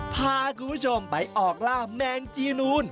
พาคุณผู้ชมไปออกล่าแมงจีนูน